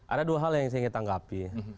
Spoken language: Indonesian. ada dua hal yang saya ingin tanggapi